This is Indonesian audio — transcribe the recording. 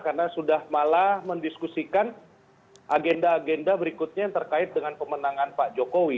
karena sudah malah mendiskusikan agenda agenda berikutnya yang terkait dengan pemenangan pak jokowi